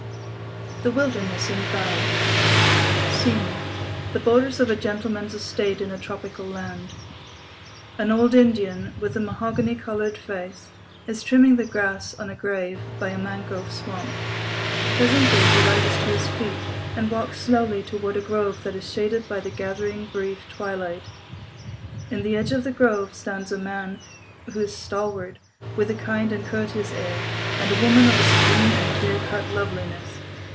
The Wilderness and Thou SCENE—The Borders of a Gentleman's Estate in a Tropical Land. An old Indian, with a mahogany coloured face, is trimming the grass on a grave by a mangrove swamp. Presently he rises to his feet and walks slowly toward a grove that is shaded by the gathering, brief twilight. In the edge of the grove stand a man who is stalwart, with a kind and courteous air, and a woman of a serene and clear cut loveliness.